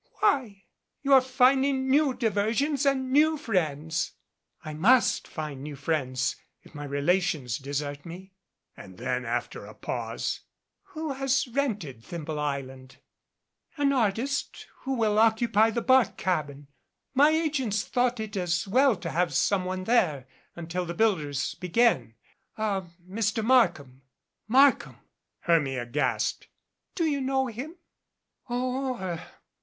"Why? You are finding new diversions and new friends." "I must find new friends if my relations desert me." THE INEFFECTUAL AUNT And then after a, pause: "Who has rented Thimble Island?" "An artist who will occupy the bark cabin. My agents thought it as well to have some one there until the builders begin a Mr. Markham " "Markham !" Hermia gasped. "Do you know him?"